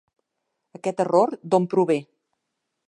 Aquest error d'on prové?